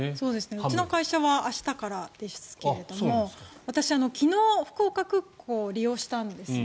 うちの会社は明日からですけれども私、昨日福岡空港を利用したんですね。